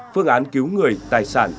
phương án cứu người tài sản